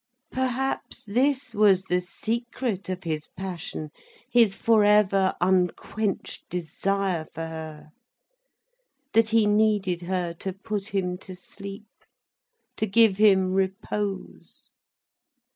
Perhaps this was the secret of his passion, his forever unquenched desire for her—that he needed her to put him to sleep, to give him repose.